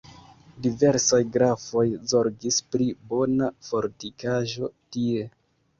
Diversaj grafoj zorgis pri bona fortikaĵo tie.